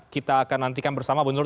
kita akan nantikan bersama bu nur